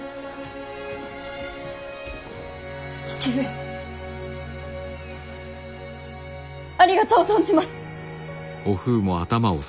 義父上ありがとう存じます！